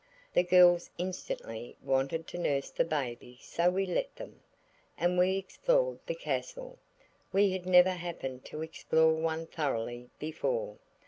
The girls instantly wanted to nurse the baby so we let them. And we explored the castle. We had never happened to explore one thoroughly before.